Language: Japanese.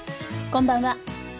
こんばんは。